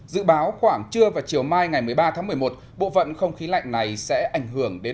dự báo khoảng trưa và chiều mai ngày một mươi ba tháng một mươi một bộ phận không khí lạnh này sẽ ảnh hưởng đến